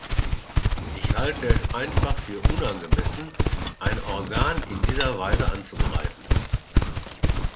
Ich halte es einfach für unangemessen, ein Organ in dieser Weise anzugreifen.